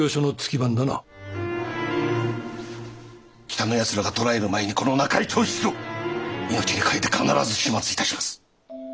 北のやつらが捕らえる前にこの仲井長七郎命に代えて必ず始末致します。